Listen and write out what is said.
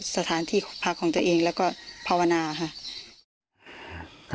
สถานที่พักของตัวเองแล้วก็ภาวนาค่ะ